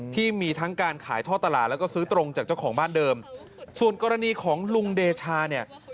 ที่มีทั้งการขายท่อตลาดแล้วก็ซื้อตรงจากเจ้าของบ้านเดิมส่วนกรณีของลุงเดชาเนี่ย